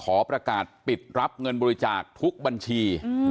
ขอประกาศปิดรับเงินบริจาคทุกบัญชี